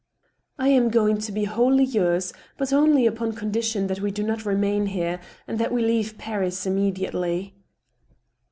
" I am going to be wholly yours, but only upon condition that we do not remain here, and that we leave Paris immediately."